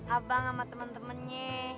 abang sama temen temennya